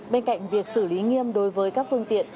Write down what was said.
bên cạnh việc xử lý nghiêm đối với các phương tiện